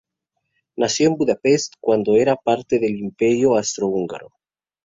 Nació en Budapest cuando era parte del Imperio austrohúngaro.